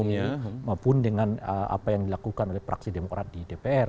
maupun dengan apa yang dilakukan oleh praksi demokrat di dpr